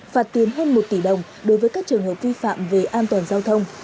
phạt tiền hơn một tỷ đồng đối với các trường hợp vi phạm về an toàn giao thông